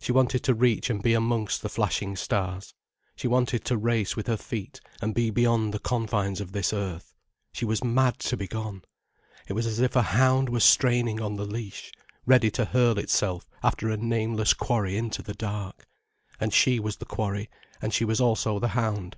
She wanted to reach and be amongst the flashing stars, she wanted to race with her feet and be beyond the confines of this earth. She was mad to be gone. It was as if a hound were straining on the leash, ready to hurl itself after a nameless quarry into the dark. And she was the quarry, and she was also the hound.